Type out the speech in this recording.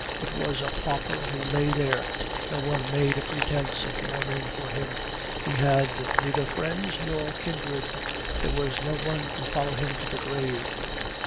It was a pauper who lay there; no one made a pretence of mourning for him; he had neither friends nor kindred there was no one to follow him to the grave.